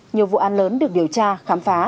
nhiều vụ an lớn được điều tra khám phá